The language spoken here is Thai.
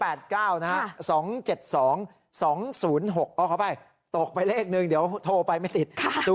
เอาเข้าไปตกไปเลขนึงเดี๋ยวโทรไปไม่ติด